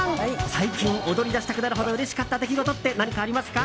最近、踊り出したくなるほどうれしかった出来事って何かありますか？